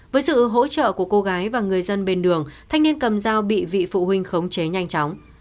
với sự hỗ trợ của cô gái và người dân bên đường thanh niên cầm dao bị vị phụ huynh khống chế nhanh chóng